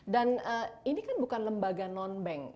dan ini kan bukan lembaga non bank